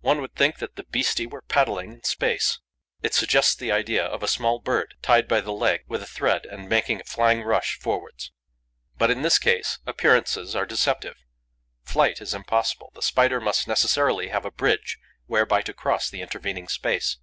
One would think that the beastie were paddling in space. It suggests the idea of a small bird, tied by the leg with a thread and making a flying rush forwards. But, in this case, appearances are deceptive: flight is impossible; the Spider must necessarily have a bridge whereby to cross the intervening space.